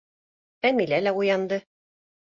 Әмилә лә уянды.